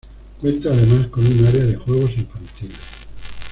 Cuenta además con un área de juegos infantiles.